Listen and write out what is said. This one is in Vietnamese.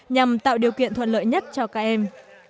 nhằm tạo điều kiện thuận lợi nhất cho các em